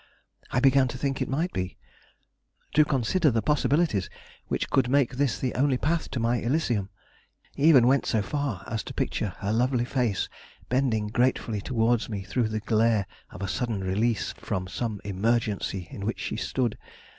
I began to think it might be; to consider the possibilities which could make this the only path to my elysium; even went so far as to picture her lovely face bending gratefully towards me through the glare of a sudden release from some emergency in which she stood.